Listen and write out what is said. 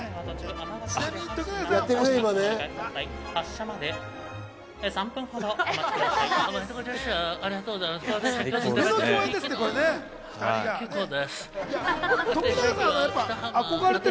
発車まで３分ほどお待ちください。